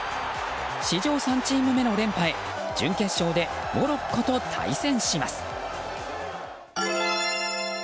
史上３チーム目の連覇へ準決勝でモロッコと対戦します。